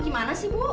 gimana sih bu